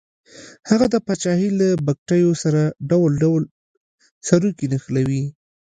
هغه د پاچاهۍ له بګتیو سره ډول ډول سروکي نښلوي.